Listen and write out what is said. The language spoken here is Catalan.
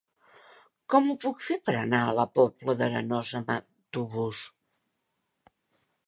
Com ho puc fer per anar a la Pobla d'Arenós amb autobús?